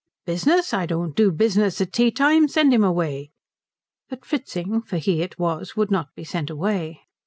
"Business! I don't do business at tea time. Send him away." But Fritzing, for he it was, would not be sent away.